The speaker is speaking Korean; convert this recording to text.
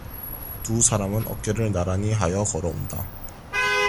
두 사람은 어깨를 나란히 하여 걸어온다.